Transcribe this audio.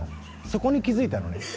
そこに気づいたのね。